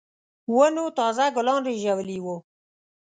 ونو تازه ګلان رېژولي وو.